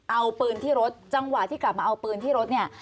เอาปืนที่รถจังหวะที่กลับมาเอาปืนที่รถเนี่ย